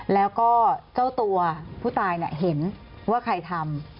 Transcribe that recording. แล้วก็เจ้าตัวผู้ตายเห็นว่าใครทำ